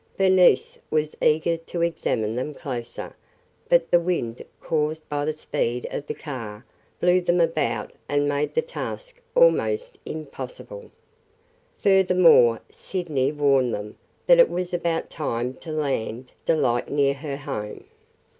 Bernice was eager to examine them closer but the wind caused by the speed of the car blew them about and made the task almost impossible. Furthermore, Sydney warned them that it was about time to land Delight near her home.